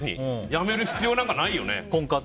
やめる必要なんかないよね。